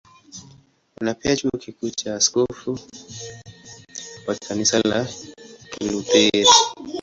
Kuna pia Chuo Kikuu na askofu wa Kanisa la Kilutheri.